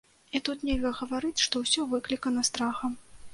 І тут нельга гаварыць, што ўсё выклікана страхам.